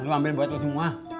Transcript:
lo ambil buat lo semua